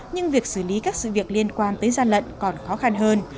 nhưng việc xử lý các sự việc liên quan tới gian lận còn khó khăn hơn